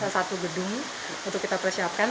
satu gedung untuk kita persiapkan